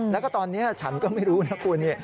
แล้วก็ตอนนี้ฉันก็ไม่รู้นะคุณ